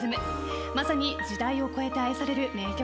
まさに時代を超えて愛される名曲ですよね。